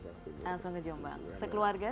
langsung ke jombang sekeluarga